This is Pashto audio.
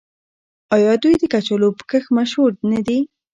آیا دوی د کچالو په کښت مشهور نه دي؟